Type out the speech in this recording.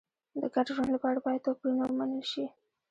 د ګډ ژوند لپاره باید توپیرونه ومنل شي.